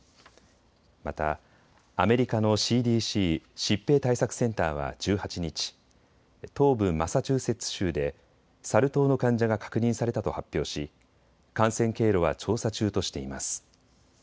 またアメリカのＣＤＣ・疾病対策センターは１８日、東部マサチューセッツ州でサル痘の患者が確認されたと発表し感染経路は調査中としています。